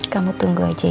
kamu tunggu aja ya